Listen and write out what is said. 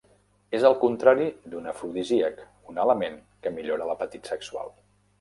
És el contrari d'un afrodisíac, un element que millora l'apetit sexual.